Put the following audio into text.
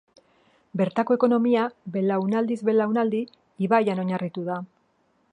Bertako ekonomia, belaunaldiz belaunaldi, ibaian oinarritu da.